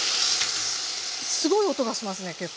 すごい音がしますね結構。